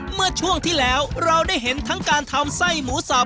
เมื่อช่วงที่แล้วเราได้เห็นทั้งการทำไส้หมูสับ